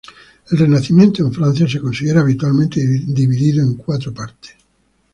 El Renacimiento en Francia se considera habitualmente dividido en cuatro partes.